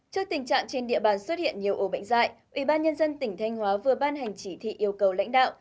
trước tình trạng trên địa bàn xuất hiện nhiều ổ bệnh dạy ủy ban nhân dân tỉnh thanh hóa vừa ban hành chỉ thị yêu cầu lãnh đạo